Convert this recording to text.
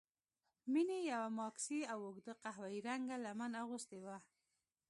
مينې يوه ماکسي او اوږده قهويي رنګه لمن اغوستې وه.